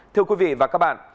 thưa quý vị và các bạn